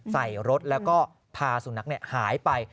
ใส่รถแล้วก็พาสุนัขหายไป